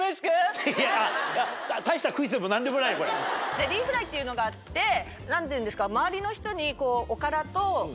ゼリーフライっていうのがあって何ていうんですか周りの人に。